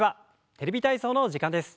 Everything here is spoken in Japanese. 「テレビ体操」の時間です。